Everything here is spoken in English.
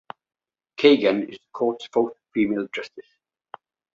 Kagan is the Court's fourth female justice.